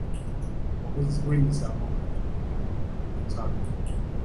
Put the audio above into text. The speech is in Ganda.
Obuzzi bw'emisango bungi mu bitundu by'oku nsalo.